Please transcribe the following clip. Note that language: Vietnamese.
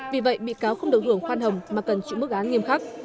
vì vậy bị cáo không được hưởng khoan hồng mà cần chịu mức án nghiêm khắc